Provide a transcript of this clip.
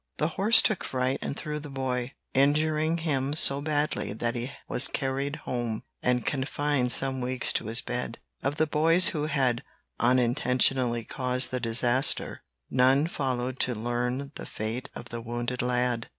The horse took fright and threw the boy, injuring him so badly that he was carried home, and confined some weeks to his bed. Of the boys who had unintentionally caused the disaster, none followed to learn the fate of the wounded lad.